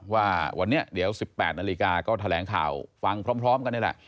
ว่าวันนี้เดี๋ยว๑๘นาฬิกาก็แถลงข่าวฟังพร้อมกันนี่แหละ